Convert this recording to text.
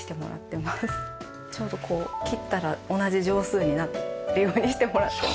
ちょうどこう切ったら同じ畳数になるようにしてもらってます。